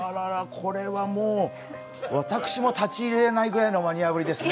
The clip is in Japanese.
これはもう、私も立ち入れないぐらいのマニアぶりですね。